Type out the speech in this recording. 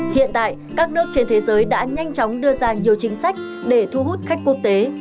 hiện tại các nước trên thế giới đã nhanh chóng đưa ra nhiều chính sách để thu hút khách quốc tế